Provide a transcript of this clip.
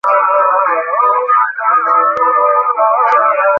যদি শুনে, সে জীবিত থাকবে না।